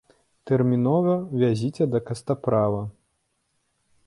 Тэрмінова вязіце да кастаправа!